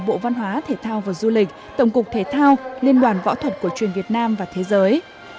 bộ văn hóa thể thao và du lịch tổng cục thể thao liên đoàn võ thuật cổ truyền việt nam và thế giới